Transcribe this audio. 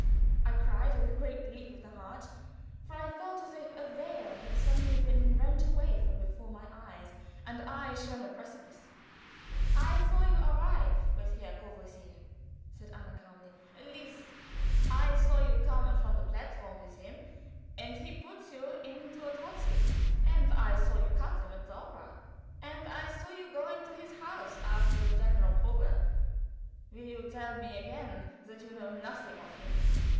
I cried, with a great leap of the heart, for I felt as if a veil had suddenly been rent away from before my eyes and I shown a precipice. "I saw you arrive with Herr Courvoisier," said Anna, calmly; "at least, I saw you come from the platform with him, and he put you into a drosky. And I saw you cut him at the opera; and I saw you go into his house after the general probe. Will you tell me again that you know nothing of him?